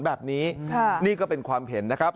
แบบนี้นี่ก็เป็นความเห็นนะครับ